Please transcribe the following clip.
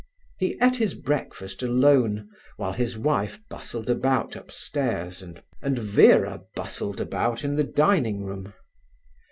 He ate his breakfast alone, while his wife bustled about upstairs and Vera bustled about in the dining room.